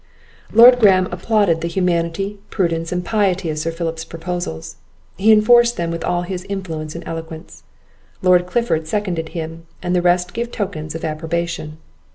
Lord Graham applauded the humanity, prudence, and piety of Sir Philip's proposals. He enforced them with all his influence and eloquence. Lord Clifford seconded him; and the rest gave tokens of approbation.